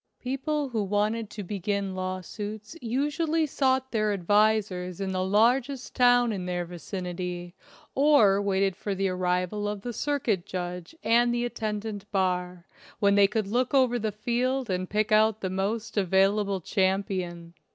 People who wanted to begin lawsuits usually sought their advisers in the largest town in their vicinity, or waited the arrival of the circuit judge and the attend ant bar, when they could look over the field and pick out the most available champion.